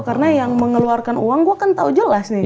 karena yang mengeluarkan uang gue kan tau jelas nih